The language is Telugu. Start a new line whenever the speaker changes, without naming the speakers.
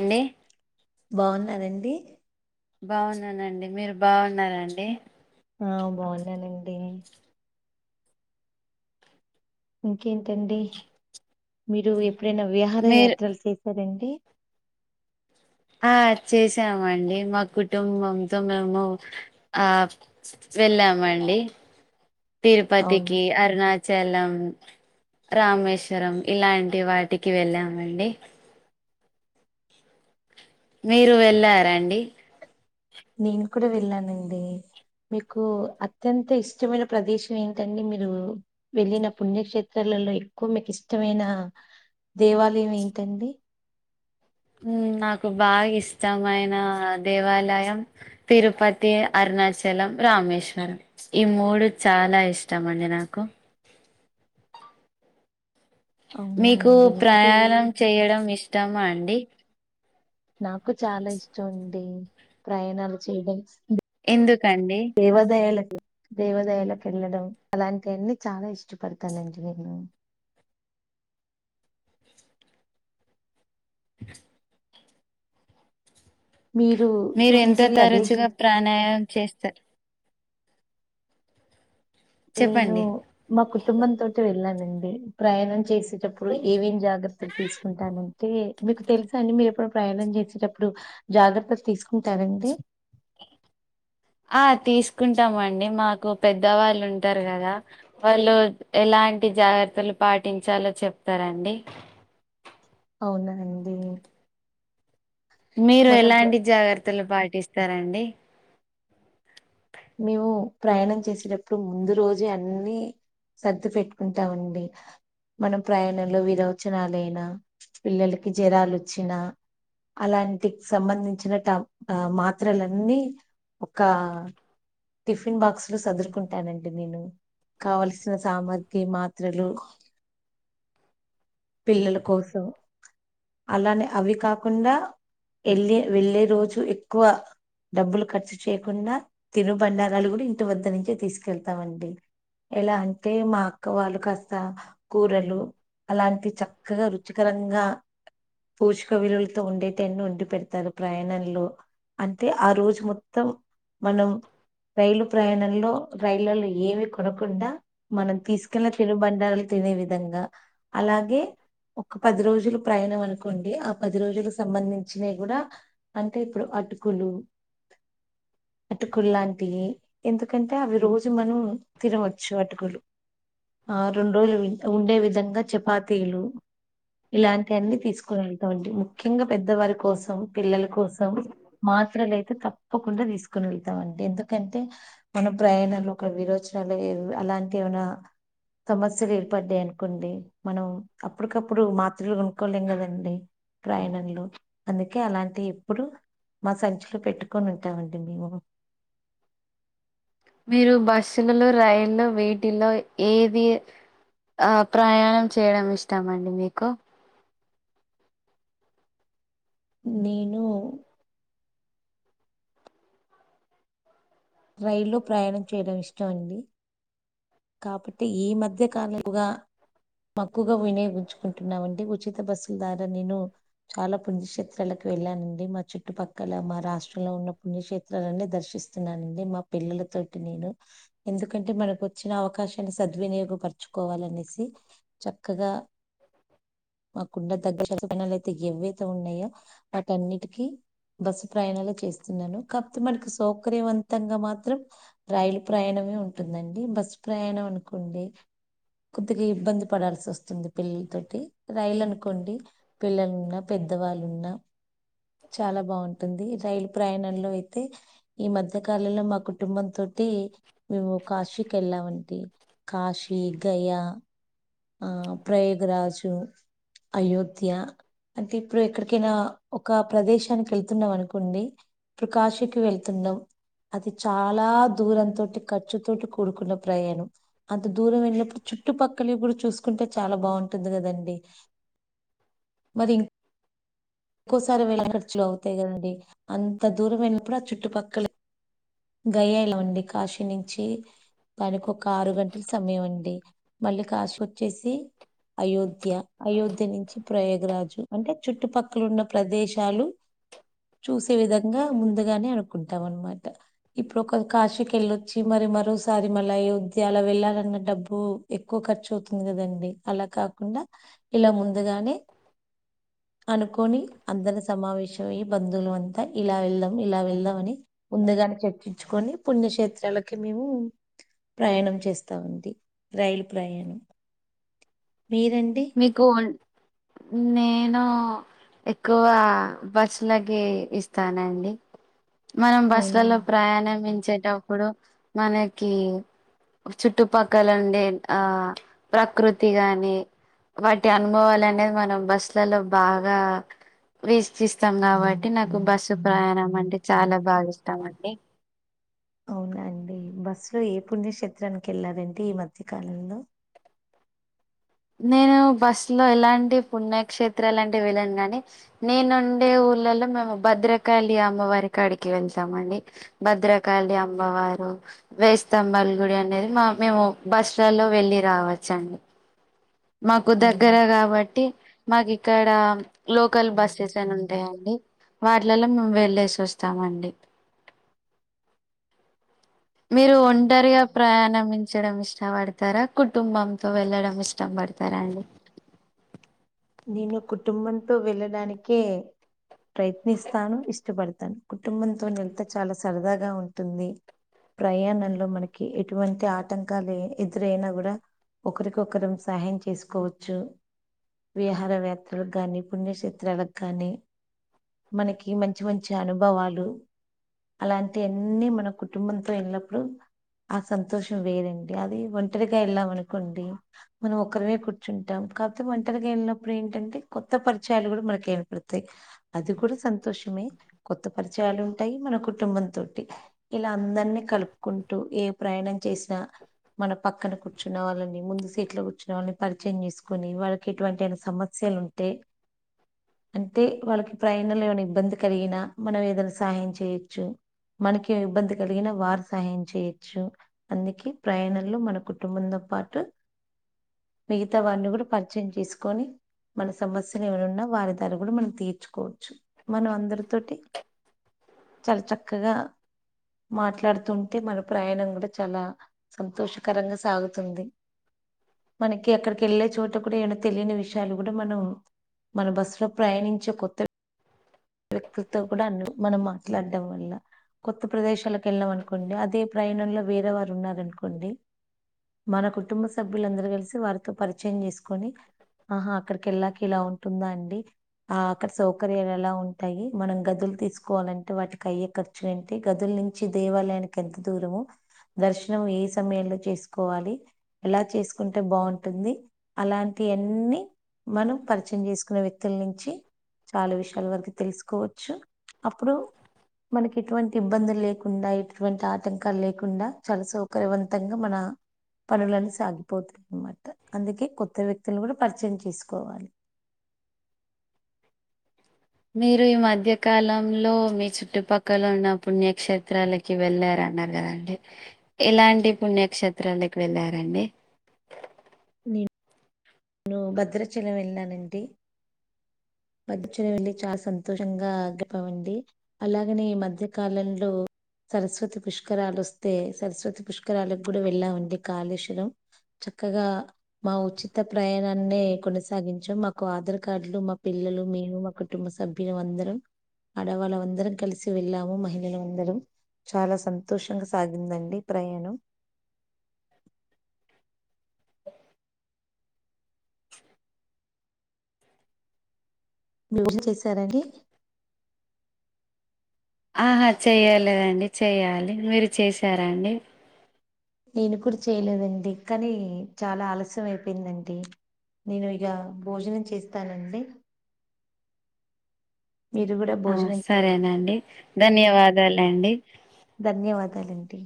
అండి
బాగున్నారండి
బాగున్నానండి మీరు బాగున్నారండి
ఆ బాగున్నానండి ఇంకేంటండి మీరు ఎప్పుడైనా విహార
మీరు
యాత్రలు చేశారండి ఏ
ఆ చేసామండి మా కుటుంబంతో మేము ఆ వెళ్ళామండి
అవును
తిరుపతికి అరుణాచ చలం రామేశ్వరం ఇలాంటి వాటికి వెళ్ళామండి మీరు వెళ్ళారండి
నేను కూడా వెళ్ళానండి మీకు అత్యంత ఇష్టమైన ప్రదేశం ఏంటండి మీరు వెళ్ళిన పుణ్యక్షేత్రంలో లో ఎక్కువ మీకు ఇష్టమైన దేవాలయం ఏంటండి
నాకు బాగా ఇష్టమైన దేవాలయం తిరుపతి అర్ అరుణాచలం రామేశ్వరం ఈ మూడు చాలా ఇష్టం అండి నాకు
అవునా
మీకు
అండి అంటే
ప్రయాణం చేయడం ఇష్టమా అండి
నాకు చాలా ఇష్టం అండి ప్రయాణాలు చేయడం
ఎందుకండీ
దేవాదాయాలకి వెళ్ళడం అలాంటి అన్ని చాలా ఇష్టపడతానండి నేను మీరు
మీరు
ఇటువంటి
ఎంతో
ప్రదేశం
తరచుగా ప్రాణాయామ చేస్తారు
నేను
చెప్పండి
మా కుటుంబం తోటి వెళ్ళానండి ప్రయాణం చేసి ఇేటప్పుడు ఏమేం జాగ్రత్తలు తీసుకుంటానంటే మీకు తెలుసా అండి మీరు ఎప్పుడు ప్రయాణం చేసేటప్పుడు జాగ్రత్తలు తీసుకుంటారండి
ఆ తీసుకుంటామండి మాకు పెద్దవాళ్ళు ఉంటారు కదా వాళ్ళు ఎలాంటి జాగ్రత్తలు పాటించాలో చెప్తారా అండి
అవునాండి
మీరు ఎలాంటి జాగ్రత్తలు పాటిస్తారండి
మేము ప్రయాణం చేసేటప్పుడు ముందు రోజే అన్ని సర్దు పెట్టుకుంటామండి మనం ప్రయాణంలో విరోచనలుయినా పిల్లలకి జరాలుొచ్చినా అలాంటి సంబంధించిన ట ఆ మాత్రలన్నీ ఒక టిఫిన్ బాక్సు లో సదురుకుంటానండి నేను కావలసిన సామగ్రి మాత్రలు పిల్లల కోసం అలానే అవి కాకుండా ఎళ్లే వెళ్ళే రోజు ఎక్కువ డబ్బులు ఖర్చు చేయకుండా తినుబండారాలు కూడా ఇంటి వద్ద నుంచే తీసుకెళ్తామండి ఎలా అంటే మా అక్క వాళ్ళు కాస్త కూరలు అలాంటి చక్కగా రుచికరంగా పూషిక విలువలతో ఉండేటన్ని వండి పెడతారు ప్రయాణంలో అంతె ఆ రోజు మొత్తం మనం రైలు ప్రయాణంలో రైళ్లలో ఏమి కొనకుండా మనం తీసుకెళ్న తిరుబండా ల్ తినే విదంగా అలాగే ఒకపది రోజ్ రోజులు ప్రయాణం అనుకోండి ఆ పది రోజులకు సంబంధించినయ్ కూడా అంటే ఇప్పుడు అటుకులు అట్ కుల్ లాంటియి ఎందుకంటే అవి రోజు మనం తినవచ్చు అటుకులు ఆ రెండు రోజులు ఉండే విధంగా చపాతీలు ఇలాంటి యన్ని తీసుకుని వెళ్తామండి ముఖ్యంగా పెద్దవారి కోసం పిల్లల కోసం మాత్రలైతే తప్పకుండా తీసుకొనిళ్ తమం ఎందుకంటే మన ప్రయాణాలు ఒక విరోచనాలు అలాంటి ఏమైనా సమస్యలు ఏర్పడ్డాయి అనుకోండి మనం అప్పటికప్పుడు మాత్రలుకొనుక్కోలేం కదండి. ప్రయాణంలో అందుకే అలాంటి ఎప్పుడు మా సంచిలో పెట్టుకొని ఉంటామండి మేము
మీరు బస్సుల్లు రైళ్లు వీటిలో ఏది ఆ ప్రయాణం చేయడం ఇష్టమండి మీకు
నేను రైల్లో ప్రయాణం చేయడం ఇష్టం అండి కాబట్టి ఈ మధ్య కాలపు గా తక్కువగా వినియోగించుకుంటున్నామండి ఉచిత బస్సుల్ ద్వారా నేను చాలా పుణ్యక్షేత్రాలక్ వెళ్ళానండి మా చుట్టుపక్కల మా రాష్ట్రంలో ఉన్న పుణ్యక్షేత్ త్రాలన్నీ దర్శిస్తున్నానండి మా పిల్లలతోటి నేను ఎందుకంటే మనకు ఇచ్చిన అవకాశాన్ని సద్వినియోగపర్చుకోవాలనేసి చక్కగా మా కుండ దగ్గర్ [unintelligible] అయితే ఎవ్వయితే ఉన్నాయో వాటన్నిటికీ బస్సు ప్రయాణాలు చేస్తున్నాను కాకపోతే మనకి సౌకర్యవంతంగా మాత్రం రైలు ప్రయాణం ఉంటుందండి బస్ ప్రయాణం అనుకోండి కుద్దిరీ ఇబ్బంది పడాల్సస్తుంది పిల్లలతోటి రైలు అనుకోండి పిల్లలున్న పెద్దవాళ్ లున్న చాలా బాగుంటుంది రైలు ప్రయాణంలో అయితే ఈ మధ్య కాలంలో మా కుటుంబంతో అయితే మేము కాశీకి వెళ్ళామంటీ కాశీ గయా ఆ ప్రయోగ్ రాజు అయోధ్య అంటే ఇప్పుడు ఎక్కడికైనా ఒక ప్రదేశానికి వెళ్తున్నాం అనుకోండి ఇప్పుడు కాశీకి వెళ్తున్ న్నవ్ అది చాలా దూరంతోటి ఖర్చుతోటి కూడుకున్న ప్రయాణం అంత దూరం వెళ్ళినప్పుడుచ్ చుట్టుపక్కల ఇప్పుడు చూసుకుంటే చాలా బాగుంటుంది కదండి మరి ఇం ఇంకోసారి వేల ఖర్చులు అవుతాయి కదండి అంత దూరం ఎల్లినప్పుడు ఆ చుట్టుపక్కల గయలోండి కాశీ నించి పరికి ఒక ఆరు గంటల్ సమయం అండి మళ్ళీ కాశికచ్చేసి అయోధ్య అయోధ్య నుంచి ప్రయోగరాజు అంటే చుట్టుపక్కల ఉన్న ప్రదేశాలు. చూసే విధంగా ముందుగానే అనుకుంటాం అనమాట. ఇప్పుడు ఒక కాశీకి వెళ్ళొచ్చి మరి మరోసారి మళ్ళ అయోధ్య అలా వెళ్లాలన్న డబ్బు ఎక్కువ. ఖర్చు అవుతుంది కదండి. అలా కాకుండా ఇలా ముందుగానే. అనుకొని అందరి సమావేశం అయ్యి బంధువుల అంతా ఇలా వెళ్దాం ఇలా వెళ్దాం అని ముందుగానే చెప్. చుపించుకొని పుణ్యక్షేత్రాలకి మేము. ప్రయాణం చేస్తా ఉంది రైలు ప్రయాణం. మీరండి?
మీకు నేను. ఎక్కువ బస్సులకి ఇస్తానండి. మనం
అవునా
బస్సులలో ప్రయాణించేటప్పుడు మనకి. చుట్టుపక్కలుండే ఆహ్ ప్రకృతి గాని. వాంటి అనుభవాలు అనేది మనం బస్సులల్లో బాగా. వీక్షిస్తాం కాబట్టి నాకు బస్సు ప్రయాణం అంటే చాలా బాగా ఇష్టాం అండి.
ఒకే అండి బస్సు లో ఏ పుణ్యక్షేత్రానికి వెళ్లారండి ఈ మధ్య కాలంలో.
నేను బస్ లో ఎలాంటి పుణ్యక్షేత్ర లాంటివి వెళ్ళాను గాని నేనుండే ఊర్లల్లో మేము భద్రకాళి అమ్మవారికాడికి వెళ్తామ్ అండి భద్రకాళి అమ్మవారు. వేయిస్తంభాల గుడి అనేది మా మేము బస్సులల్లో వెళ్ళి రావచ్చండి. మాకు
అవును
దగ్గర కాబట్టి. మాకు ఇక్కడ లోకల్ బస్సెస్ అనీ ఉంటాయి అండి. వాటిలలో మేము వెళ్లేేసి వస్తామండి. మీరు ఒంటరిగా ప్రయాణించడం ఇష్టపడతారా కుటుంబంతో వెళ్ళడం ఇష్టం పడ. పడతారా అండి.
నేను కుటుంబంతో వెళ్ళడానికే. ప్రయత్నిస్తాను ఇష్టపడతాను కుటుంబంతో వెళితే చాలా సరదాగా ఉంటుంది. ప్రయాణంలో మనకి ఎటువంటి ఆటంకాలు ఎదురైనా కూడా. ఒకరికొకరం సహాయం చేసుకోవచ్చు. విహార యాత్రలకు గానీ పుణ్యక్షేత్రాలకు కానీ. మనకి మంచి మంచి అనుభవాలు. అలాంటి అన్ని మన కుటుంబంతో వెళ్ళినప్పుడు. ఆ సంతోషం వేరండి అది ఒంటరిగా వెళ్ళాం అనుకోండి మనం ఒకరమే కూర్చుంటాం. కాకపోతే ఒంటరిగ వెళ్ళినప్పుడు ఏంటంటే కొత్త పరిచయాలు కూడా మనకి ఏర్పడతాయి. అది కూడా సంతోషమే కొత్త పరి. లు ఉంటాయి మన కుటుంబం తోటి ఇలా అందరినీ కలుపుకుంటూ ఏ ప్రయాణం చేసినా. మన పక్కన కూర్చున్న వాళ్ళని ముందు సీట్లో కూర్చున్న వాళ్ళని పరిచయం చేసుకొని వాళ్ళ. ఎటువంటైన సమస్యలు ఉంటే. అంటే వాళ్ళకి ప్రయాణంలో ఏమైనా ఇబ్బంది కలిగినా మనం ఏదైనా సహాయం చేయొచ్చు. మనకి ఇబ్బంది కలిగినా వారు సహాయం చేయచ్చు అందుకే ప్రయాణంలో మన కుటుంబంతో. పాటు మిగతా వారిని కూడా పరిచయం చేసుకొని. మన సమస్యలు ఏమైనా ఉన్నా వారి ద్వార కూడా మనం తీర్చుకోవచ్చు మనం అందరితోటి. చాలా చక్కగా. మాట్లాడుతుంటే మన ప్రయాణం కూడా చాలా సంతోషకరంగా సాగుతుంది. మనకి అక్కడికి వెళ్ళే చోటు. తోకూడే ఏమైన తెలియని విషయాలు కూడా మనం మన బస్సు లో ప్రయాణించే కొత్త. వ్యక్తులతో కూడా అన్న మనం మాట్లాడడం వల్ల. కొత్త ప్రదేశాలకు వెళ్ళాం అనుకోండి అదే ప్రయాణంలో వేరే వారు ఉన్నారనుకోండి మన కుటుంబ సభ్యులందరూ కలిసి వారితో పరిచయం చేసుకొని ఆహా అక్కడికి ఎళ్లాకి ఇలా ఉంటుందా అండి ఆ అక్కడ సౌకర్యాలు ఎలా ఉన్ ఉంటాయి మనం గదులు తీసుకోవాలంటే వాటికి అయ్యే ఖర్చులు ఏంటే గదుల నుంచి దేవాలయానికి ఎంత దూరము దర్శనం ఏ సమయంలో చేసుకోవాలి ఎలా చేసుకుంటే బాగుంటుంది అలాంటి అన్ని మనం పరిచయం చేసుకున్న వ్యక్తుల నుంచి చాలా విషయాల వరకు తెలుసుకోవచ్చు అప్పుడు మనకి ఎటువంటి ఇబ్బందులు లేకుండా ఎటువంటి ఆటంకాలు లేకుండా చాలా సౌకర్యవంతంగా మన పనులన్నీ సాగిపోతాయిన్నమాట అందుకే కొత్త వ్యక్తులను కూడ పరిచయం చేసుకోవాలి
మీరు ఈ మధ్య కాలంలో మీ చుట్టుపక్కల ఉన్న పుణ్యక్షేత్రాలకి వెళ్ళ న్నారు కదండి ఎలాంటి పుణ్యక్షేత్రాలకు వెళ్ళారండి
నేను నువు భద్రాచలం వెళ్నానండి మధ్యన వెళ్లి చాలా సంతోషంగా అగ్గిపోవండి అలాగనే ఈ మధ్య కాలంలో సరస్వతి పుష్కరాలు వస్తే సరస్వతి పుష్కరాలకు కూడా వెళ్ళామండి కాళేశ్వరం చక్కగా మా ఉచిత ప్రయాణాన్ని కొనసాగించాం మాకు ఆధార్ కార్డులు మా పిల్లలు మేము మా కుటుంబ సభ్యులు అందరు ఆడవాళ్ళ అందరం కలిసి వెళ్ళాము మహిళలు అందరు చాలా సంతోషంగా సాగిందండి ప్రయాణం మీజ చేసారండి
ఆహా చెయ్యలదండి చెయ్యాలి మీరు చేసారా అండి
నేనుకుడు చేయలేదండి కానీ చాలా ఆలస్యం అయిపోయిందండి. నేను ఇగ భోజనం చేస్తానండి మీరు కూడా
ఆ
భోజనం చేయండి
సరేనండి ధన్యవాదాలు అండి
ధన్యవాదాలండి